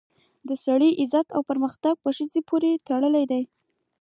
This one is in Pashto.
د سړي عزت او پرمختګ په ښځې پورې تړلی دی